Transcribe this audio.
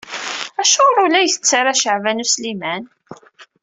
Acuɣer ur la isett ara Caɛban U Sliman?